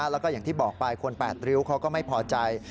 แล้วก็อย่างที่บอกไปคน๘ริ้วเขาก็ไม่พอใจ